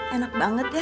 enak banget ya